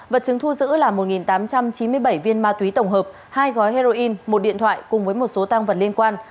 vật chứng thu giữ là một tám trăm chín mươi bảy viên ma túy tổng hợp hai gói heroin một điện thoại cùng với một số tăng vật liên quan